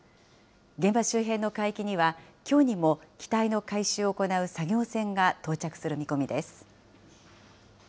現場周辺の海域には、きょうにも機体の回収を行う作業船が到着する見込みです。